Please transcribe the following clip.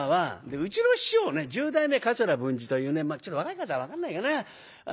うちの師匠ね十代目桂文治というね若い方は分かんないかなあ。